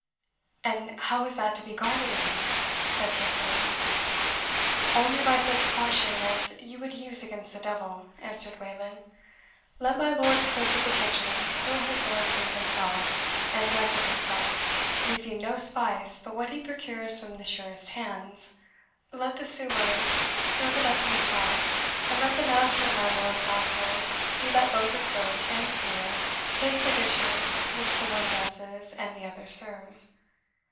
"And how is that to be guarded against?" said Tressilian. "Only by such caution as you would use against the devil," answered Wayland. "Let my lord's clerk of the kitchen kill his lord's meat himself, and dress it himself, using no spice but what he procures from the surest hands. Let the sewer serve it up himself, and let the master of my lord's household see that both clerk and sewer taste the dishes which the one dresses and the other serves.